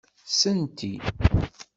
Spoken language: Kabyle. Senti!